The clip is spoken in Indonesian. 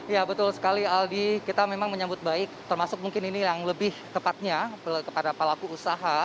ya betul sekali aldi kita memang menyambut baik termasuk mungkin ini yang lebih tepatnya kepada pelaku usaha